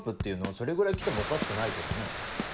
それぐらい来てもおかしくないけどね。